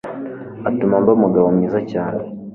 utuma mba umugabo mwiza cyane,